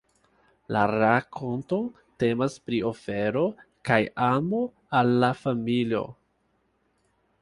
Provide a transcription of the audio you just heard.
La rakonto temas pri ofero kaj amo al la familio.